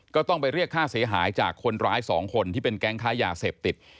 ก็ต้องไปเรียกค่าเสียหายจากคนร้าย๒คนที่เป็นแก๊งค้ายาเสพติด